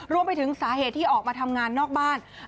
รวมไปถึงสาเหตุที่ออกมาทำงานนอกบ้าน